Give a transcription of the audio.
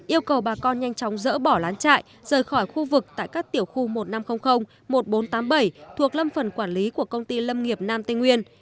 yêu cầu bà con nhanh chóng dỡ bỏ lán trại rời khỏi khu vực tại các tiểu khu một nghìn năm trăm linh một nghìn bốn trăm tám mươi bảy thuộc lâm phần quản lý của công ty lâm nghiệp nam tây nguyên